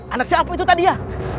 anak siapa itu tadi ya